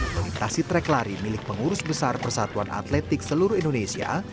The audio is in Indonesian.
melintasi trek lari milik pengurus besar persatuan atletik seluruh indonesia